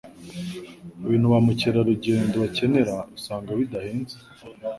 Ibintu ba mukerarugendo bakenera usanga bidahenze.